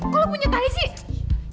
kok lo punya tali sih